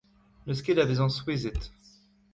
N'eus ket da vezañ souezhet.